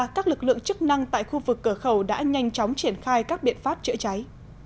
các lực lượng chức năng tại khu vực cửa khẩu đã nhanh chóng triển khai các biện pháp chữa cháy